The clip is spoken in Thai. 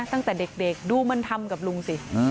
ตั้งแต่เด็กดูมันทำกับลุงสิ